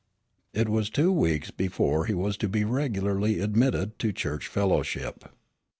It was two weeks before he was to be regularly admitted to church fellowship.